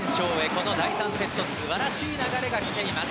この第３セット素晴らしい流れが来ています。